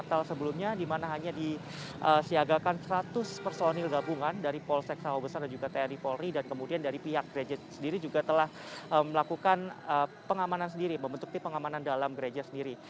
dan juga di mana hanya di siagakan seratus personil gabungan dari polsek sangho besar dan juga tni polri dan kemudian dari pihak gereja sendiri juga telah melakukan pengamanan sendiri membentukkan pengamanan dalam gereja sendiri